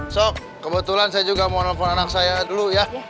so kebetulan saya juga mau nelfon anak saya dulu ya